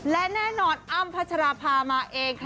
และแน่นอนอ้ำพัชราภามาเองค่ะ